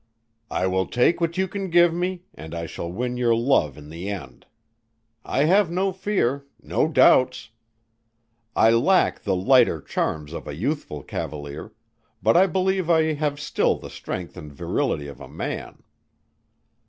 "I will take what you can give me, and I shall win your love in the end. I have no fear; no doubts. I lack the lighter charms of a youthful cavalier, but I believe I have still the strength and virility of a man."